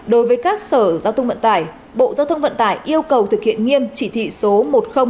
đối với các sở giao thông vận tải bộ giao thông vận tải yêu cầu thực hiện nghiêm chỉ thị số một